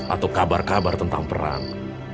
atau kabar kabar tentang perang